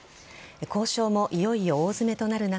交渉もいよいよ大詰めとなる中